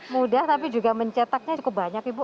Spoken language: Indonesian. mudah tapi juga mencetaknya cukup banyak ibu